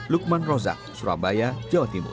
lukman rozak surabaya jawa timur